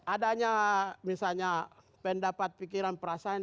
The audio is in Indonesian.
adanya misalnya pendapat pikiran perasaan